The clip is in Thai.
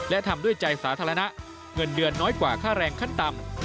และทำด้วยใจสาธารณะเงินเดือนน้อยกว่าค่าแรงขั้นต่ำ